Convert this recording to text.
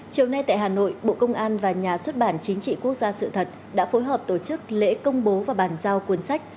chiều nay tại hà nội bộ công an và nhà xuất bản chính trị quốc gia sự thật đã phối hợp tổ chức lễ công bố và bàn giao cuốn sách